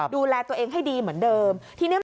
ดูแลตัวเองให้ดีเหมือนเดิมทีนี้